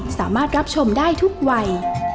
สามารถรับชมได้ทุกวัย